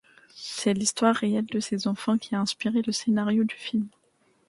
C'est l'histoire réelle de ces enfants qui a inspiré le scénario du film.